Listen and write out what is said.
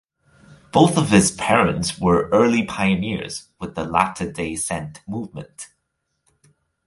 Both of his parents were early pioneers with the Latter Day Saint movement.